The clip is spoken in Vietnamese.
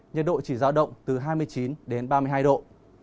nhiệt độ chỉ giao động từ hai mươi chín đến ba mươi hai độ